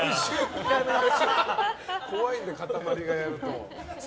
怖いんだよ、かたまりがやると。